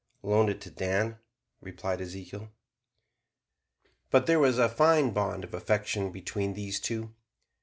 "Loaned it to Dan," replied Ezekiel. But there was a fine bond of affection between these two.